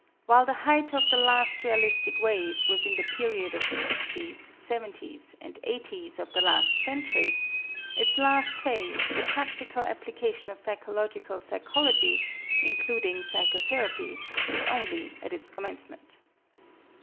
While the height of the last realistic wave was in the period of the sixties, seventies, and eighties, of the last century, its last phase, the practical application of physiological psychology, including psychotherapy, is only at its commencement.